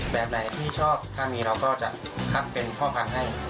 แบบไหนที่ชอบถ้ามีเราก็จะคัดเป็นพ่อพันธุ์ให้